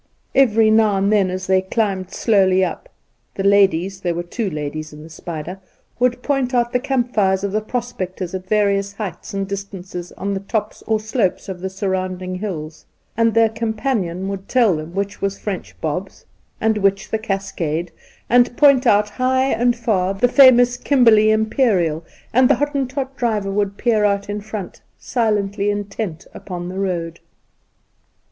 Every now and then, as they climbed I02 Induna Nairn slowly up, the ladies — ^there were two ladies in the spider — would point out the camp fires of the prospectors at various heights and distances on the tops or slopes of the surrounding hills, and their companion would tell them which was French Bob's, and which the Cascade, and point out, high and far, the famous Kimberley Imperial ; and the Hottentot driver would peer out in front, silently intent upon the road.